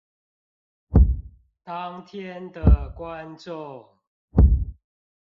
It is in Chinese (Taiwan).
當天的觀眾